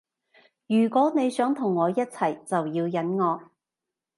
如果你想同我一齊就要忍我